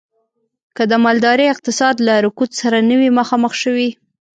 که د مالدارۍ اقتصاد له رکود سره نه وی مخامخ شوی.